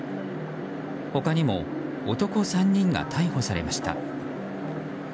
他にも男３人が逮捕されました。